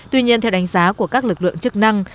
tuy nhiên theo đánh giá của các lực lượng chức năng